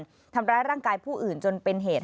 ตรายตรองไว้ก่อนทำร้ายร่างกายผู้อื่นจนเป็นเหตุ